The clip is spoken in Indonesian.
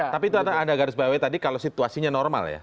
tapi itu anda garis bawahi tadi kalau situasinya normal ya